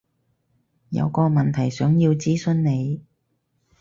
有個問題想要諮詢你